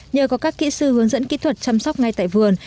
nhờ có các kỹ sư hướng dẫn kỹ thuật chăm sóc ngay tại vườn